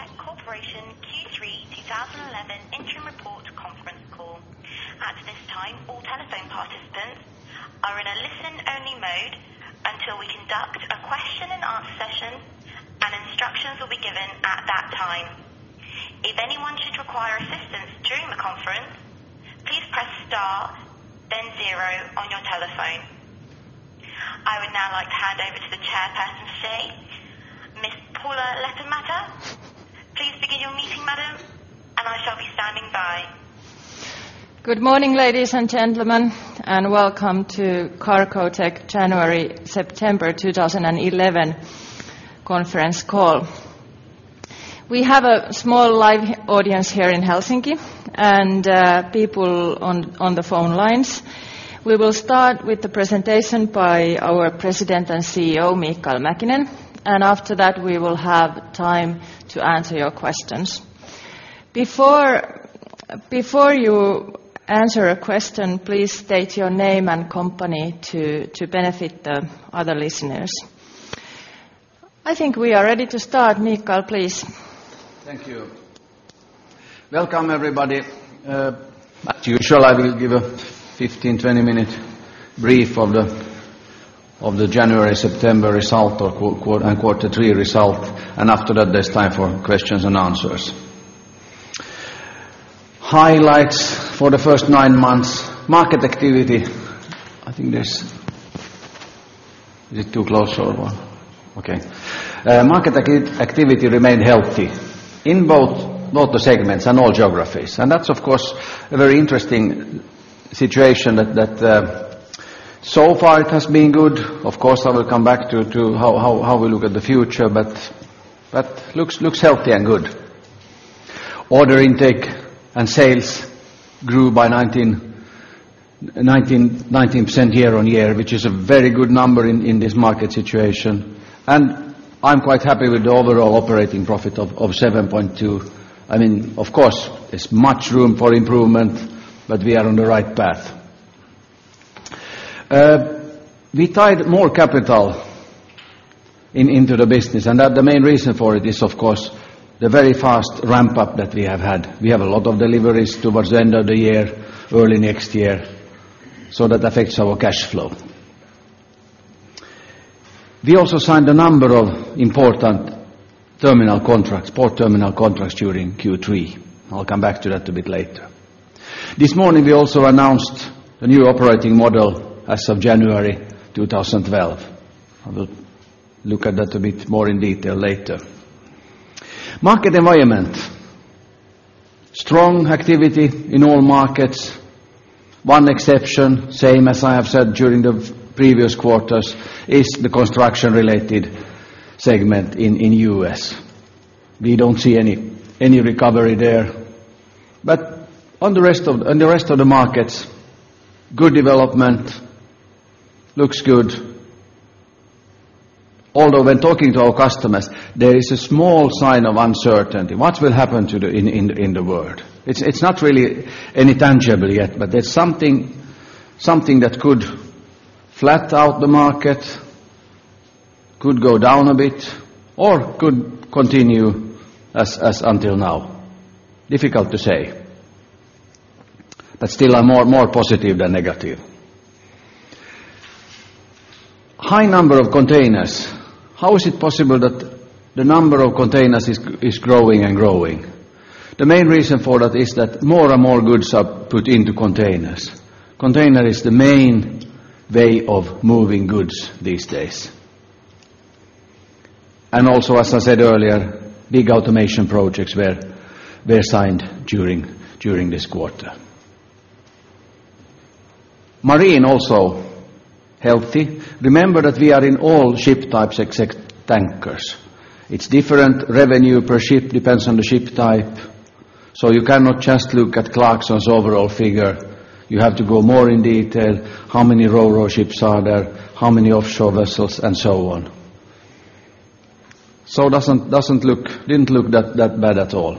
Good morning, ladies and gentlemen, welcome to the Cargotec Corporation Q3 2011 Interim Report conference call. At this time, all telephone participants are in a listen-only mode until we conduct a question and answer session, and instructions will be given at that time. If anyone should require assistance during the conference, please press Star then zero on your telephone. I would now like to hand over to the Chairperson today, Ms. Paula Lehtomäki. Please begin your meeting, madam, and I shall be standing by. Good morning, ladies and gentlemen, welcome to Cargotec January-September 2011 conference call. We have a small live audience here in Helsinki and people on the phone lines. We will start with the presentation by our President and CEO, Mikael Mäkinen, and after that, we will have time to answer your questions. Before you answer a question, please state your name and company to benefit the other listeners. I think we are ready to start. Mikael, please. Thank you. Welcome, everybody. As usual, I will give a 15, 20-minute brief of the January-September result or quarter three result. After that, there's time for questions and answers. Highlights for the first nine months. Market activity. Is it too close or what? Okay. Market activity remained healthy in both the segments and all geographies. That's of course a very interesting situation that so far it has been good. Of course, I will come back to how we look at the future, but looks healthy and good. Order intake and sales grew by 19% year-on-year, which is a very good number in this market situation. I'm quite happy with the overall operating profit of 7.2%. I mean, of course, there's much room for improvement. We are on the right path. We tied more capital into the business, the main reason for it is of course the very fast ramp-up that we have had. We have a lot of deliveries towards the end of the year, early next year. That affects our cash flow. We also signed a number of important terminal contracts, port terminal contracts during Q3. I'll come back to that a bit later. This morning, we also announced a new operating model as of January 2012. I will look at that a bit more in detail later. Market environment. Strong activity in all markets. One exception, same as I have said during the previous quarters, is the construction-related segment in the U.S. We don't see any recovery there. On the rest of the markets, good development. Looks good. Although when talking to our customers, there is a small sign of uncertainty. What will happen to the world? It's not really any tangible yet, but there's something that could flat out the market, could go down a bit, or could continue as until now. Difficult to say. Still, more positive than negative. High number of containers. How is it possible that the number of containers is growing and growing? The main reason for that is that more and more goods are put into containers. Container is the main way of moving goods these days. Also, as I said earlier, big automation projects were signed during this quarter. Marine also healthy. Remember that we are in all ship types except tankers. It's different revenue per ship, depends on the ship type. You cannot just look at Clarksons' overall figure. You have to go more in detail. How many Ro-Ro ships are there? How many offshore vessels? So on. Didn't look that bad at all.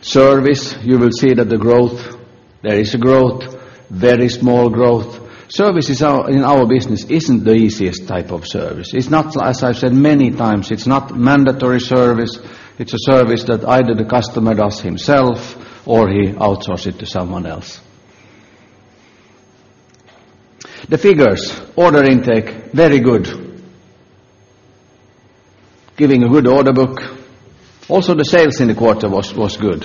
Service, you will see that there is a growth, very small growth. Services are, in our business isn't the easiest type of service. It's not, as I've said many times, it's not mandatory service. It's a service that either the customer does himself or he outsource it to someone else. The figures. Order intake, very good. Giving a good order book. Also the sales in the quarter was good.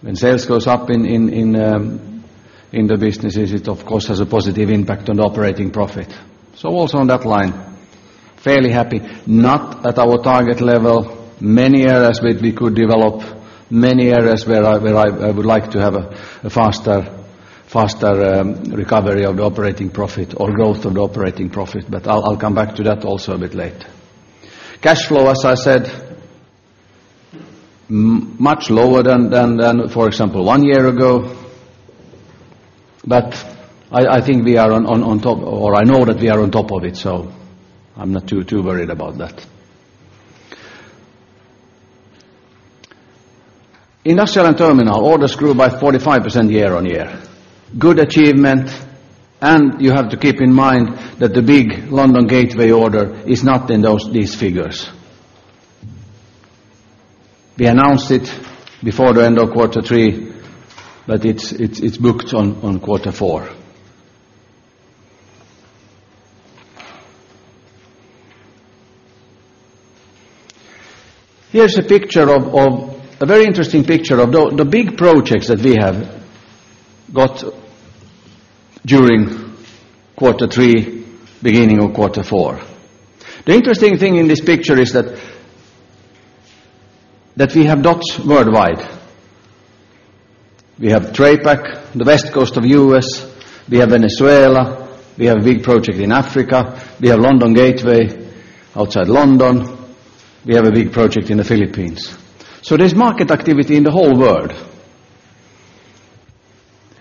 When sales goes up in the businesses it of course has a positive impact on the operating profit. Also on that line, fairly happy. Not at our target level. Many areas where we could develop. Many areas where I would like to have a faster recovery of the operating profit or growth of the operating profit. I'll come back to that also a bit late. Cash flow, as I said, much lower than, for example, one year ago. I think we are on top, or I know that we are on top of it, so I'm not too worried about that. Industrial and terminal orders grew by 45% year-on-year. Good achievement, you have to keep in mind that the big London Gateway order is not in these figures. We announced it before the end of quarter three, it's booked on quarter four. Here's a very interesting picture of the big projects that we have got during quarter three, beginning of quarter four. The interesting thing in this picture is that we have dots worldwide. We have TraPac, the west coast of U.S., we have Venezuela, we have a big project in Africa, we have London Gateway outside London, we have a big project in the Philippines. There's market activity in the whole world.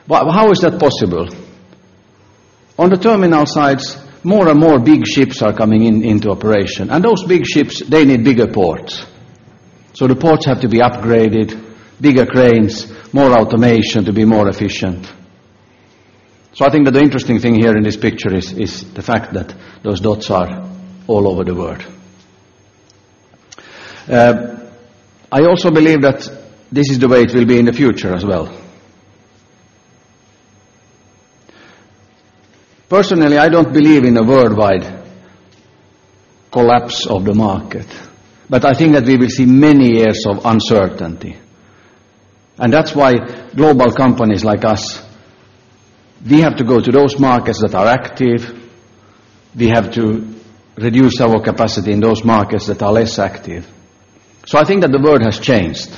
How is that possible? On the terminal sides, more and more big ships are coming into operation. Those big ships, they need bigger ports. The ports have to be upgraded, bigger cranes, more automation to be more efficient. I think that the interesting thing here in this picture is the fact that those dots are all over the world. I also believe that this is the way it will be in the future as well. Personally, I don't believe in a worldwide collapse of the market, but I think that we will see many years of uncertainty. That's why global companies like us, we have to go to those markets that are active. We have to reduce our capacity in those markets that are less active. I think that the world has changed.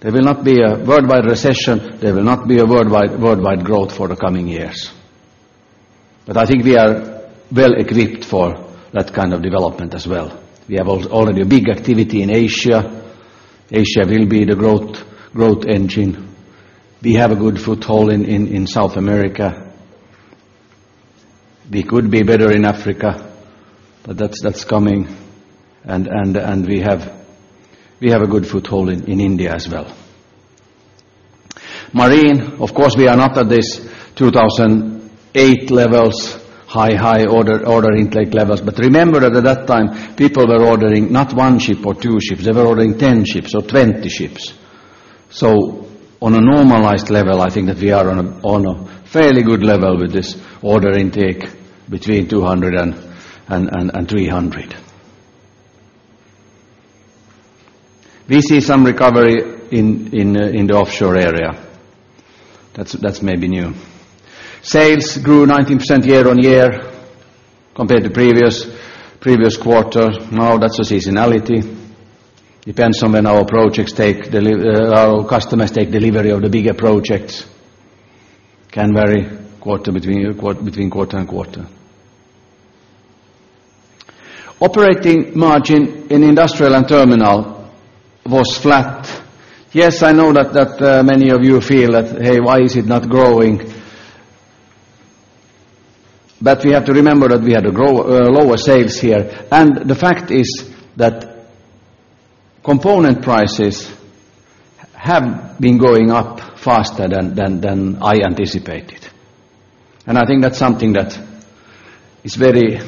There will not be a worldwide recession. There will not be a worldwide growth for the coming years. I think we are well equipped for that kind of development as well. We have already a big activity in Asia. Asia will be the growth engine. We have a good foothold in South America. We could be better in Africa, but that's coming and we have a good foothold in India as well. Marine, of course, we are not at this 2008 levels, high order intake levels. Remember that at that time, people were ordering not 1 ship or 2 ships, they were ordering 10 ships or 20 ships. On a normalized level, I think that we are on a fairly good level with this order intake between EUR 200 and EUR 300. We see some recovery in the offshore area. That's maybe new. Sales grew 19% year-on-year compared to previous quarter. That's a seasonality. Depends on when our projects take delivery of the bigger projects. Can vary between quarter and quarter. Operating margin in industrial and terminal was flat. Yes, I know that many of you feel that, "Hey, why is it not growing?" We have to remember that we had to grow lower sales here. The fact is that component prices have been going up faster than I anticipated. I think that's something that is very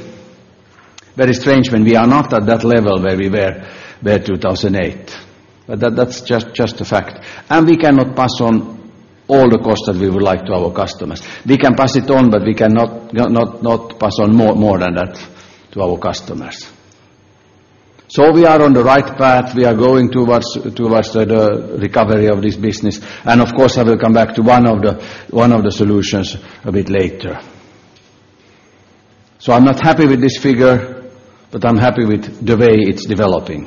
strange when we are not at that level where we were 2008. That's just a fact. We cannot pass on all the costs that we would like to our customers. We can pass it on, but we cannot pass on more than that to our customers. We are on the right path. We are going towards the recovery of this business. Of course, I will come back to one of the solutions a bit later. I'm not happy with this figure, but I'm happy with the way it's developing.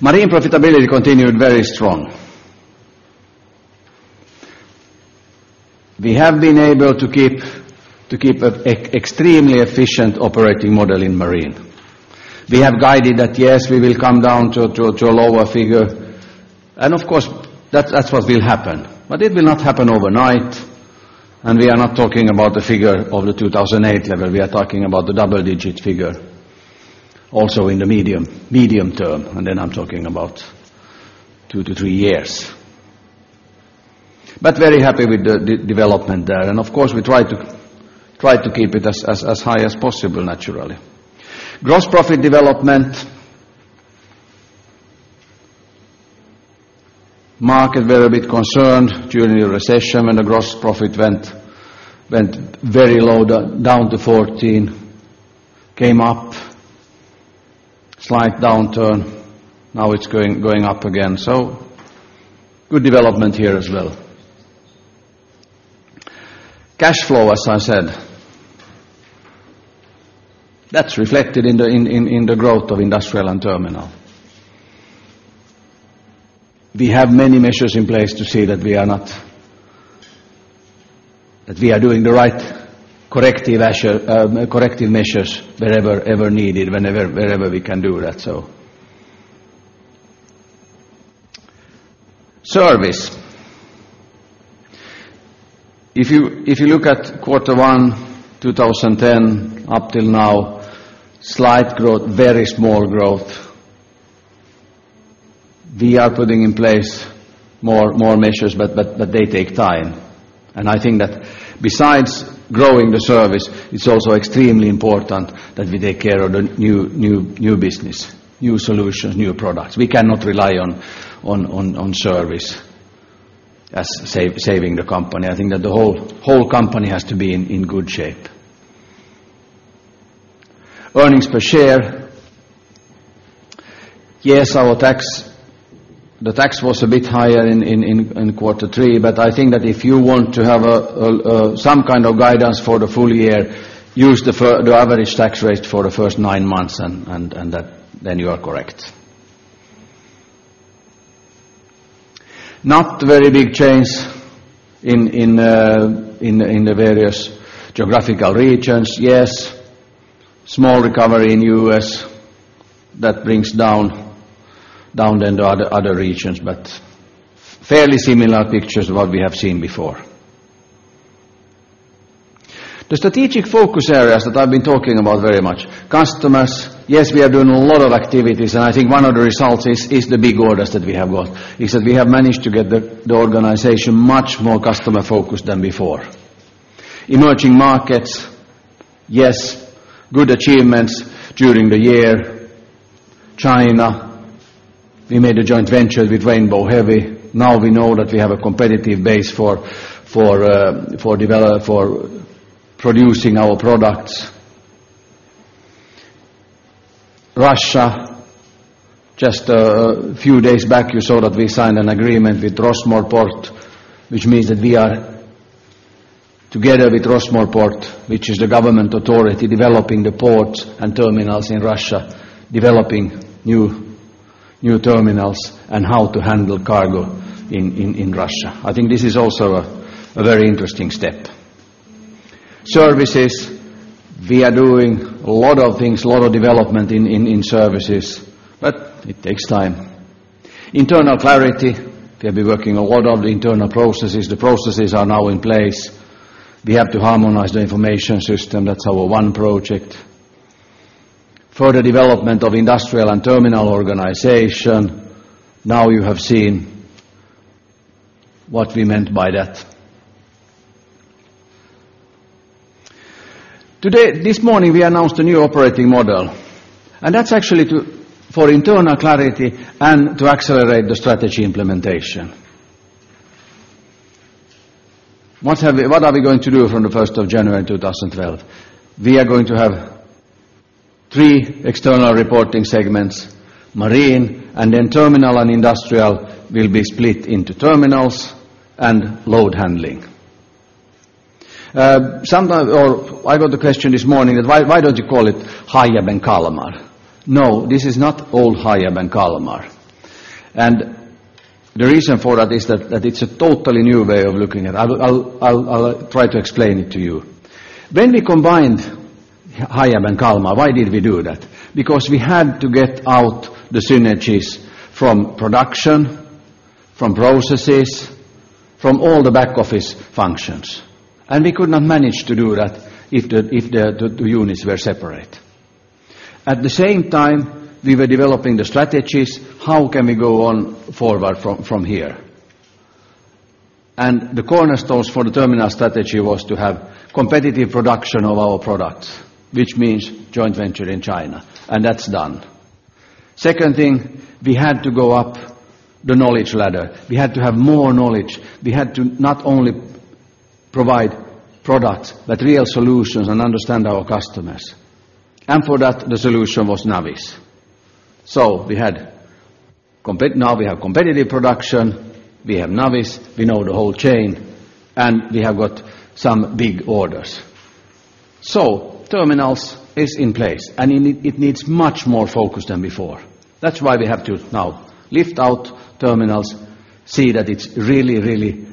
Marine profitability continued very strong. We have been able to keep an extremely efficient operating model in Marine. We have guided that, yes, we will come down to a lower figure. Of course, that's what will happen. It will not happen overnight. We are not talking about the figure of the 2008 level. We are talking about the double-digit figure also in the medium term. Then I'm talking about 2-3 years. Very happy with the development there. Of course, we try to keep it as high as possible, naturally. Gross profit development. Market were a bit concerned during the recession when the gross profit went very low down to 14, came up, slight downturn. Now it's going up again. Good development here as well. Cash flow, as I said, that's reflected in the growth of industrial and terminal. We have many measures in place to see that we are doing the right corrective measures wherever needed, whenever, wherever we can do that. Service. If you look at quarter one 2010 up till now, slight growth, very small growth. We are putting in place more measures, but they take time. I think that besides growing the service, it's also extremely important that we take care of the new business, new solutions, new products. We cannot rely on service as saving the company. I think that the whole company has to be in good shape. Earnings per share. Yes, the tax was a bit higher in quarter three, but I think that if you want to have a some kind of guidance for the full year, use the average tax rate for the first nine months, and that then you are correct. Not very big change in the various geographical regions. Yes, small recovery in U.S. that brings down then to other regions, but fairly similar pictures what we have seen before. The strategic focus areas that I've been talking about very much. Customers, yes, we are doing a lot of activities, and I think one of the results is the big orders that we have got, is that we have managed to get the organization much more customer-focused than before. Emerging markets, yes, good achievements during the year. China, we made a joint venture with Rainbow Heavy. Now we know that we have a competitive base for producing our products. Russia, just a few days back, you saw that we signed an agreement with Rosmorport, which means that we are together with Rosmorport, which is the government authority developing the ports and terminals in Russia, developing new terminals and how to handle cargo in Russia. I think this is also a very interesting step. Services, we are doing a lot of things, a lot of development in services, it takes time. Internal clarity, we have been working a lot on the internal processes. The processes are now in place. We have to harmonize the information system. That's our one project. Further development of industrial and terminal organization. You have seen what we meant by that. This morning, we announced a new operating model, that's actually for internal clarity and to accelerate the strategy implementation. What are we going to do from the first of January in 2012? We are going to have three external reporting segments, marine, terminal and industrial will be split into terminals and load handling. I got a question this morning that why don't you call it Hiab and Kalmar? No, this is not old Hiab and Kalmar. The reason for that is that it's a totally new way of looking at it. I'll try to explain it to you. When we combined Hiab and Kalmar, why did we do that? We had to get out the synergies from production, from processes, from all the back-office functions, and we could not manage to do that if the units were separate. At the same time, we were developing the strategies, how can we go on forward from here? The cornerstones for the terminal strategy was to have competitive production of our products, which means joint venture in China, and that's done. Second thing, we had to go up the knowledge ladder. We had to have more knowledge. We had to not only provide products, but real solutions and understand our customers. For that, the solution was Navis. We have competitive production, we have Navis, we know the whole chain, and we have got some big orders. Terminals is in place, and it needs much more focus than before. That's why we have to now lift out terminals, see that it's really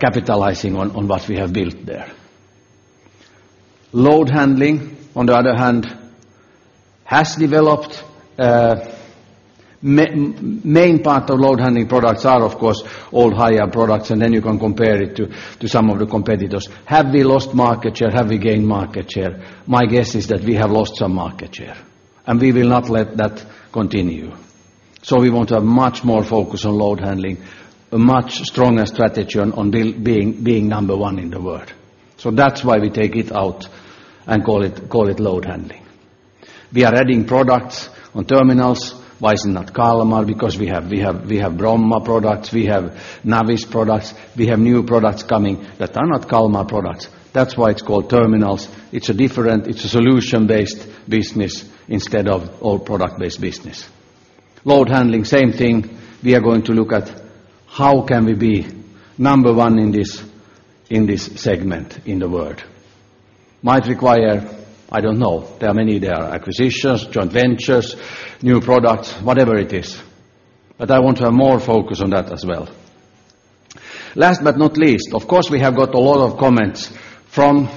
capitalizing on what we have built there. Load handling, on the other hand, has developed, main part of load handling products are, of course, old Hiab products, and then you can compare it to some of the competitors. Have we lost market share? Have we gained market share? My guess is that we have lost some market share, and we will not let that continue. We want to have much more focus on load handling, a much stronger strategy on being number one in the world. That's why we take it out and call it load handling. We are adding products on terminals. Why is it not Kalmar? Because we have Bromma products, we have Navis products, we have new products coming that are not Kalmar products. That's why it's called terminals. It's a solution-based business instead of old product-based business. Load handling, same thing. We are going to look at how can we be number one in this segment in the world. Might require, I don't know. There are acquisitions, joint ventures, new products, whatever it is. I want to have more focus on that as well. Last but not least, of course, we have got a lot of comments from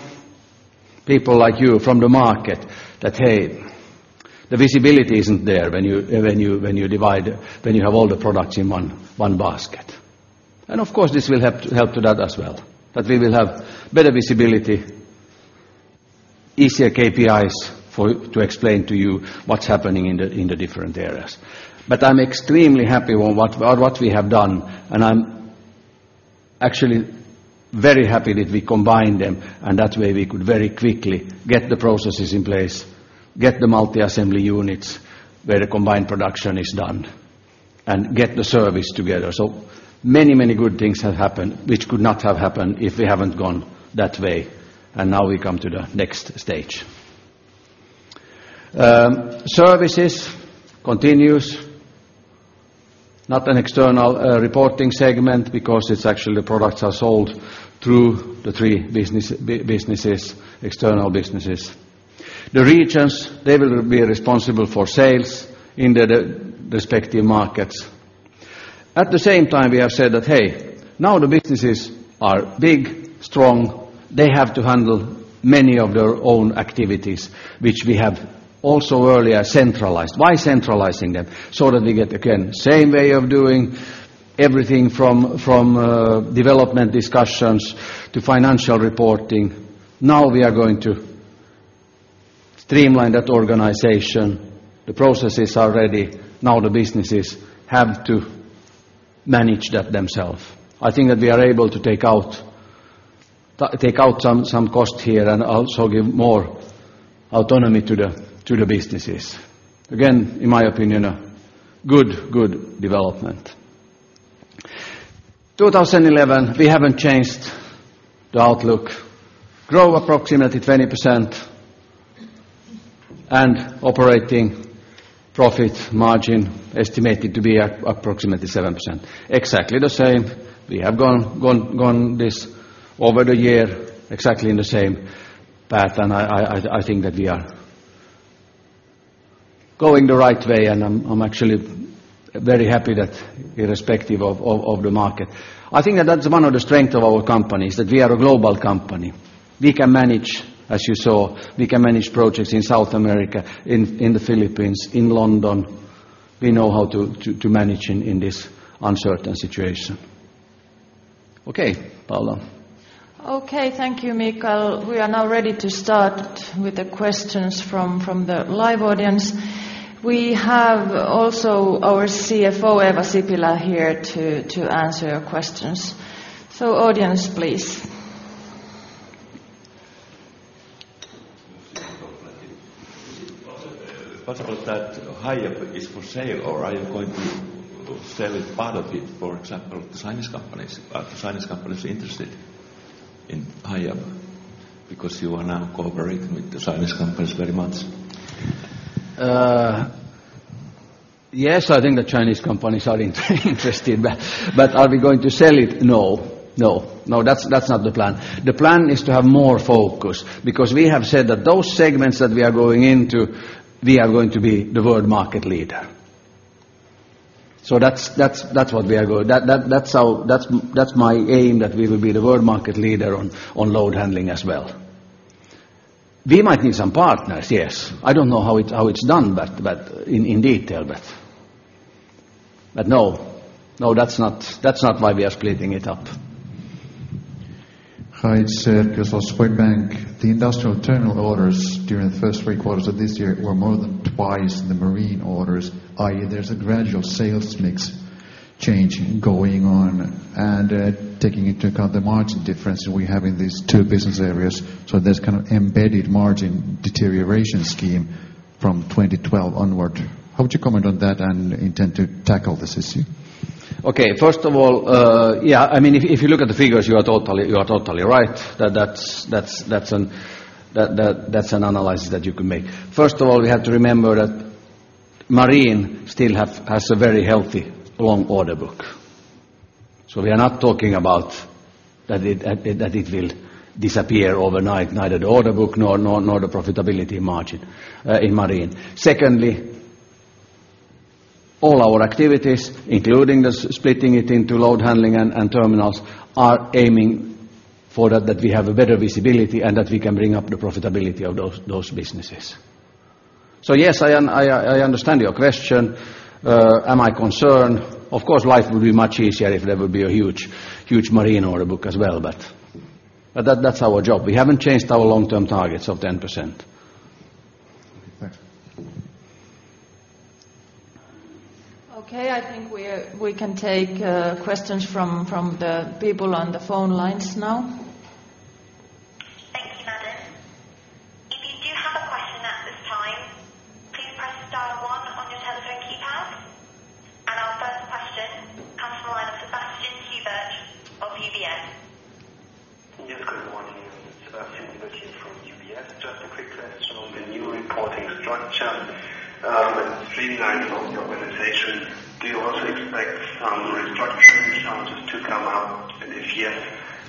people like you from the market that, hey, the visibility isn't there when you divide when you have all the products in one basket. Of course, this will help to that as well, that we will have better visibility, easier KPIs to explain to you what's happening in the different areas. I'm extremely happy on what we have done, and I'm actually very happy that we combined them, and that way we could very quickly get the processes in place, get the multi-assembly units where the combined production is done, and get the service together. Many good things have happened which could not have happened if we haven't gone that way, and now we come to the next stage. Services continues, not an external reporting segment because it's actually products are sold through the three businesses, external businesses. The regions, they will be responsible for sales in the respective markets. At the same time, we have said that, hey, now the businesses are big, strong. They have to handle many of their own activities which we have also earlier centralized. Why centralizing them? That we get, again, same way of doing everything from development discussions to financial reporting. We are going to streamline that organization. The processes are ready. The businesses have to manage that themselves. I think that we are able to take out some cost here and also give more autonomy to the businesses. In my opinion, a good development. 2011, we haven't changed the outlook. Grow approximately 20% and operating profit margin estimated to be approximately 7%. Exactly the same. We have gone this over the year exactly in the same path, and I think that we are going the right way, and I'm actually very happy that irrespective of the market. I think that that's one of the strength of our company, is that we are a global company. We can manage, as you saw, we can manage projects in South America, in the Philippines, in London. We know how to manage in this uncertain situation. Okay, Paula. Okay, thank you, Mikael. We are now ready to start with the questions from the live audience. We have also our CFO, Eeva Sipilä, here to answer your questions. Audience, please. What about that Hiab is for sale or are you going to sell it, part of it, for example, to Chinese companies? Are the Chinese companies interested in Hiab because you are now cooperating with the Chinese companies very much? Yes, I think the Chinese companies are interested. Are we going to sell it? No. No. No, that's not the plan. The plan is to have more focus because we have said that those segments that we are going into, we are going to be the world market leader. That's what we are going. That's how. That's my aim, that we will be the world market leader on load handling as well. We might need some partners, yes. I don't know how it's done, but in detail. No. No, that's not why we are splitting it up. Hi, it's Erkki from Swedbank. The industrial terminal orders during the first three quarters of this year were more than twice the marine orders, i.e., there's a gradual sales mix change going on. Taking into account the margin difference we have in these two business areas, so there's kind of embedded margin deterioration scheme from 2012 onward. How would you comment on that and intend to tackle this issue? First of all, yeah, I mean, if you look at the figures, you are totally, you are totally right. That's an analysis that you can make. First of all, we have to remember that marine still has a very healthy long order book. We are not talking about that it will disappear overnight, neither the order book nor the profitability margin in marine. Secondly, all our activities, including the splitting it into load handling and terminals, are aiming for that we have a better visibility and that we can bring up the profitability of those businesses. Yes, I understand your question. Am I concerned? Of course, life will be much easier if there will be a huge, huge marine order book as well. That's our job. We haven't changed our long-term targets of 10%. Thanks. Okay, I think we can take questions from the people on the phone lines now. Thank you, madam. If you do have a question at this time, please press star one on your telephone keypad. Our first question comes from Sebastian Huber of UBS. Yes, good morning. It's Sebastian Huber from UBS. Just a quick question on the new reporting structure, and streamlining of the organization. Do you also expect some restructuring charges to come up? If yes,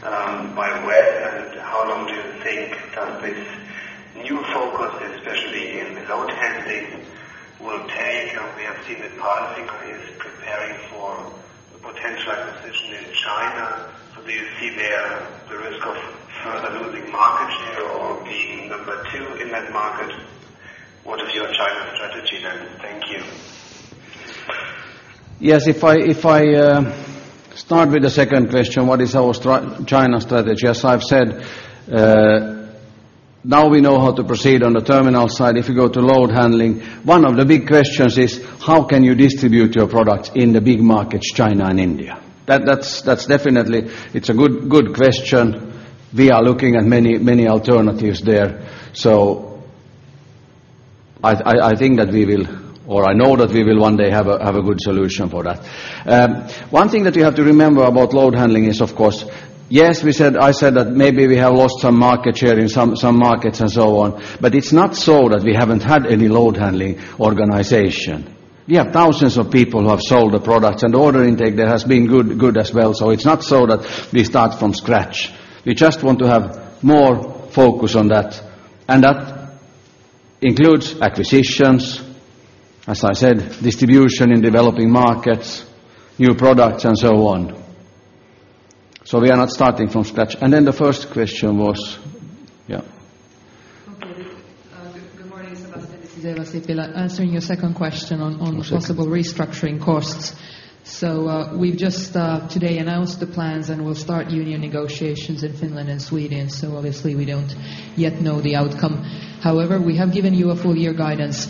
by when and how long do you think that this new focus, especially in load handling Will take? We have seen that Palfinger is preparing for a potential acquisition in China. Do you see there the risk of further losing market share or being number two in that market? What is your China strategy? Thank you. Yes, if I start with the second question, what is our China strategy? As I've said, now we know how to proceed on the terminal side. If you go to load handling, one of the big questions is how can you distribute your products in the big markets, China and India? That's definitely. It's a good question. We are looking at many alternatives there. I think that we will, or I know that we will one day have a good solution for that. One thing that you have to remember about load handling is, of course, yes, I said that maybe we have lost some market share in some markets and so on, but it's not so that we haven't had any load handling organization. We have thousands of people who have sold the products, order intake there has been good as well. It's not so that we start from scratch. We just want to have more focus on that. That includes acquisitions, as I said, distribution in developing markets, new products, and so on. We are not starting from scratch. The first question was? Yeah. Okay. Good morning, Sebastian. This is Eeva Sipilä. Answering your second question on the possible restructuring costs. We've just today announced the plans, and we'll start union negotiations in Finland and Sweden, obviously we don't yet know the outcome. However, we have given you a full year guidance,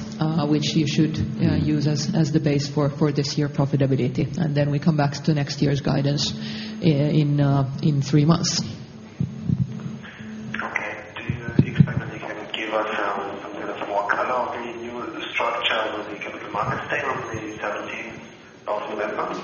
which you should use as the base for this year profitability. We come back to next year's guidance in three months. Do you expect that you can give us a little more color on the new structure on the Capital Markets Day on the 17th of November?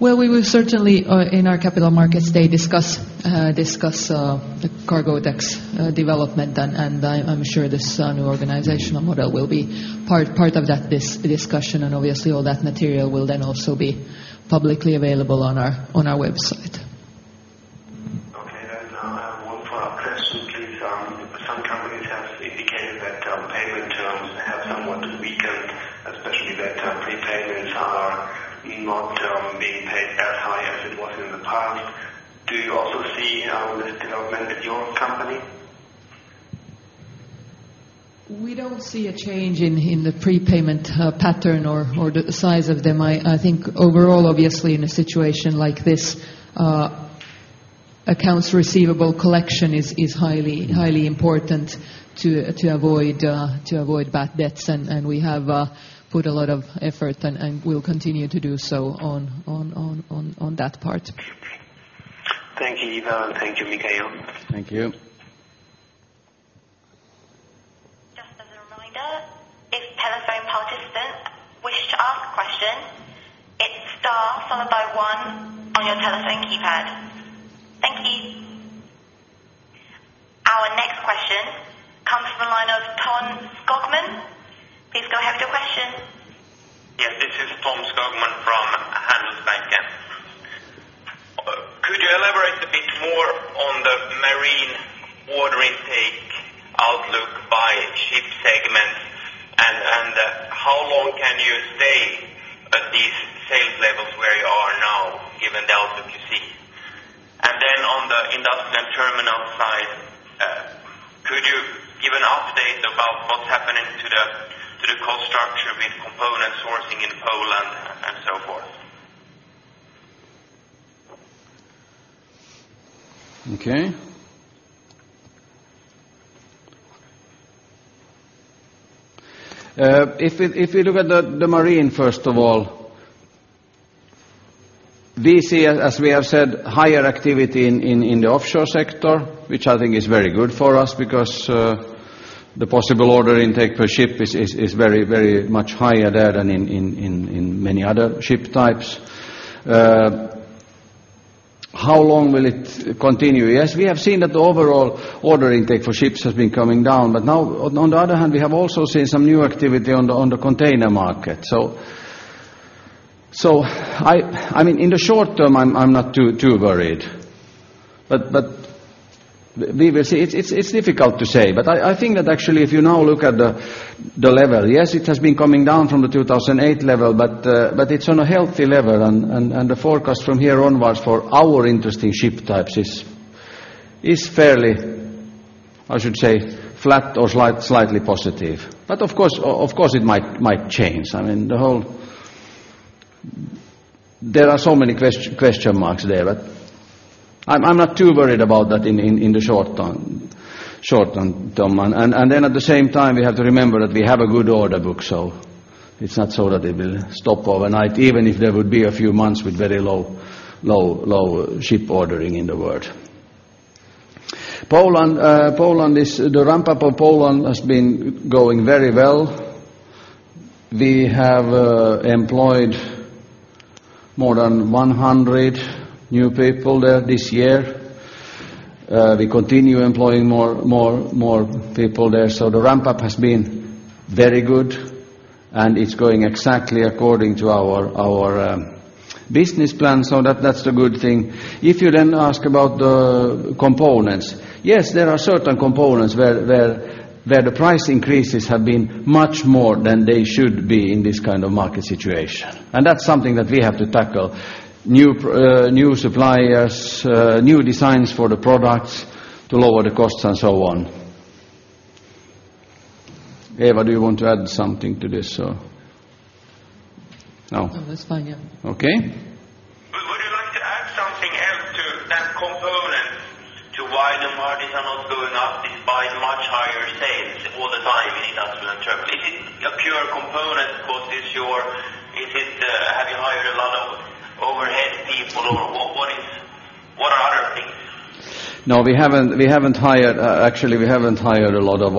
We will certainly in our Capital Markets Day discuss the Cargotec development. I'm sure this new organizational model will be part of that discussion. Obviously all that material will then also be publicly available on our website. Okay. I have one follow-up question, please. Some companies have indicated that payment terms have somewhat weakened, especially that prepayments are not being paid as high as it was in the past. Do you also see this development at your company? We don't see a change in the prepayment pattern or the size of them. I think overall, obviously in a situation like this, accounts receivable collection is highly important to avoid bad debts. We have put a lot of effort and will continue to do so on that part. Thank you, Eva. Thank you, Mikael. Thank you. Just as a reminder, if telephone participants wish to ask a question, it's Star followed by one on your telephone keypad. Thank you. Our next question comes from the line of Tom Skogman. Please go ahead with your question. Yes, this is Tom Skogman from Handelsbanken. Could you elaborate a bit more on the marine order intake outlook by ship segments? How long can you stay at these sales levels where you are now, given the outlook you see? On the industrial terminal side, could you give an update about what's happening to the cost structure with component sourcing in Poland and so forth? Okay. If we look at the marine, first of all, we see, as we have said, higher activity in the offshore sector, which I think is very good for us because the possible order intake per ship is very much higher there than in many other ship types. How long will it continue? Yes, we have seen that the overall order intake for ships has been coming down. Now, on the other hand, we have also seen some new activity on the container market. I mean, in the short term, I'm not too worried. We will see. It's difficult to say, but I think that actually if you now look at the level, yes, it has been coming down from the 2008 level, but it's on a healthy level. The forecast from here onwards for our interesting ship types is fairly, I should say, flat or slightly positive. Of course it might change. I mean, the whole. There are so many question marks there. I'm not too worried about that in the short term. At the same time, we have to remember that we have a good order book, so it's not so that it will stop overnight even if there would be a few months with very low ship ordering in the world. The ramp-up of Poland has been going very well. We have employed more than 100 new people there this year. We continue employing more people there. The ramp-up has been very good. It's going exactly according to our business plan, so that's the good thing. If you then ask about the components, yes, there are certain components where the price increases have been much more than they should be in this kind of market situation. That's something that we have to tackle. New suppliers, new designs for the products to lower the costs and so on. Eeva, do you want to add something to this or... No? No, that's fine, yeah. Okay. Would you like to add something else to that component to why the margins are not going up despite much higher sales all the time in industrial terminal? Is it a pure component cost issue or is it, have you hired a lot of overhead people or what are other things? No, we haven't hired, actually, we haven't hired a lot of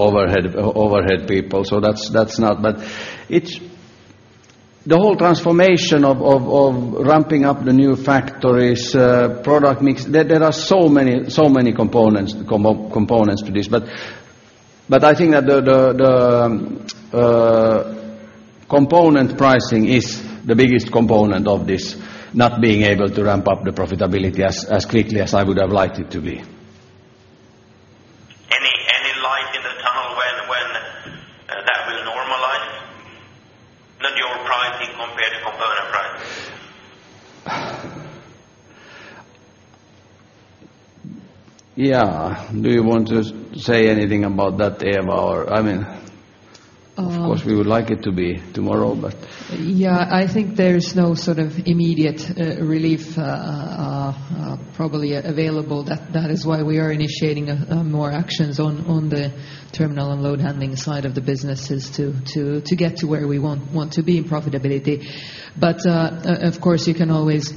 overhead people, so that's not. It's the whole transformation of ramping up the new factories, product mix. There are so many components to this. I think that the component pricing is the biggest component of this not being able to ramp up the profitability as quickly as I would have liked it to be. Any light in the tunnel when that will normalize, your pricing compared to component pricing? Yeah. Do you want to say anything about that, Eeva? Or, I mean- Uh. Of course, we would like it to be tomorrow, but... Yeah, I think there is no sort of immediate relief probably available. That is why we are initiating more actions on the terminal and load handling side of the business is to get to where we want to be in profitability. Of course, you can always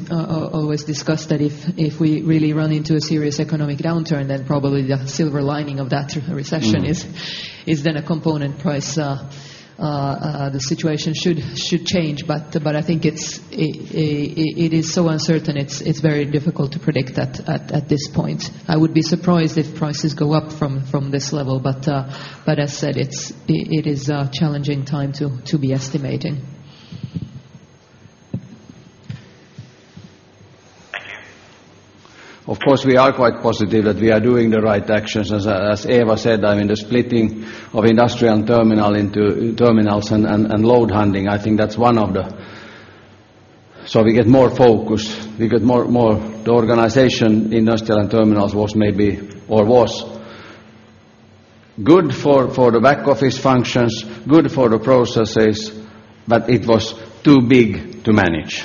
discuss that if we really run into a serious economic downturn, then probably the silver lining of that recession... Mm. is then a component price. The situation should change. I think it is so uncertain, it's very difficult to predict at this point. I would be surprised if prices go up from this level. As said, it is a challenging time to be estimating. Thank you. Of course, we are quite positive that we are doing the right actions. As Eva said, I mean, the splitting of industrial and terminal into terminals and load handling, I think that's so we get more focus, we get more... The organization, industrial and terminals, was maybe or was good for the back office functions, good for the processes, but it was too big to manage.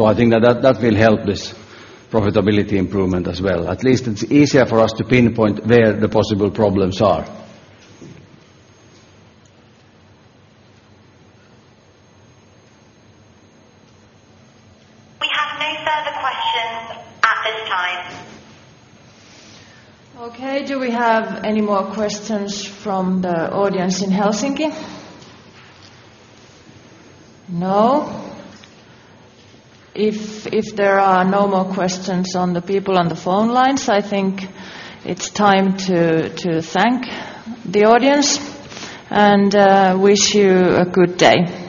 I think that will help this profitability improvement as well. At least it's easier for us to pinpoint where the possible problems are. We have no further questions at this time. Okay. Do we have any more questions from the audience in Helsinki? No? If there are no more questions on the people on the phone lines, I think it's time to thank the audience and wish you a good day.